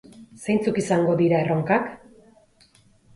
Zeintzuk izango dira erronkak?